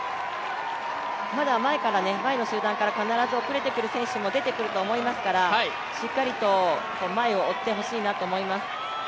まだ前の集団から必ず後れてくる選手も出てくると思いますからしっかりと前を追ってほしいなと思います。